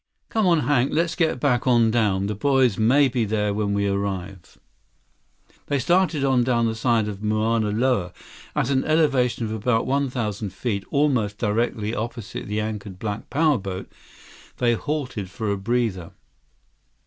"Come on, Hank. Let's get back on down. The boys may be there when we arrive." They started on down the side of Mauna Loa. At an elevation of about one thousand feet, almost directly opposite the anchored black power boat, they halted for a breather.